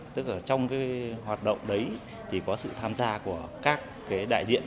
tức là trong hoạt động đấy có sự tham gia của các đại diện